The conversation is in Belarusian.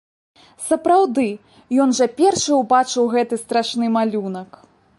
Сапраўды, ён жа першы ўбачыў гэты страшны малюнак!